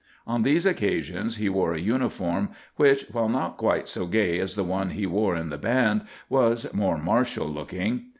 On these occasions he wore a uniform which, while not quite so gay as the one he wore in the band, was more martial looking.